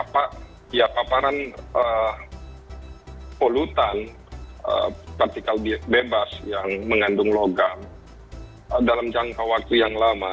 pak ya paparan polutan partikel bebas yang mengandung logam dalam jangka waktu yang lama